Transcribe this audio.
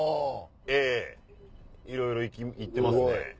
ええいろいろ行ってますね。